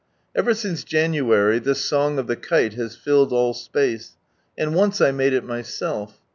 Ever since January this song of the kite has filled all space, and once I made it myself.